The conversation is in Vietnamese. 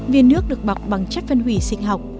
viên nước được bọc bằng chất phân hủy sinh học